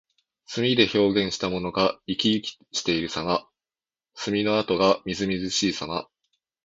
墨で表現したものが生き生きしているさま。墨の跡がみずみずしいさま。